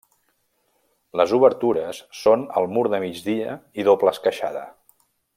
Les obertures són al mur de migdia i doble esqueixada.